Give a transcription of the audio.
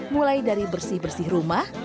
mulai dari bersih bersih rumah